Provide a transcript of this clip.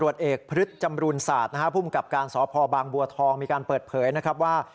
เอกพฤษจำรูนศาสตร์นะฮะภูมิกับการสพบางบัวทองมีการเปิดเผยนะครับว่า